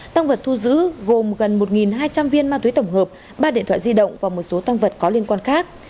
tăng vật thu giữ gồm gần một hai trăm linh viên ma túy tổng hợp ba điện thoại di động và một số tăng vật có liên quan khác